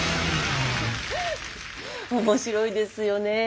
面白いですよね。